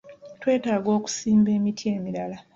Twetaga okusimba emiti emirala.